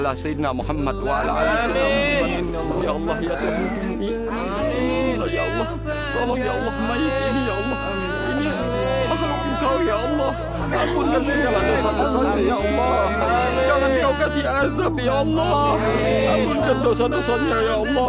bagaimana cara ini ya